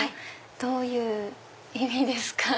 どういう意味ですか？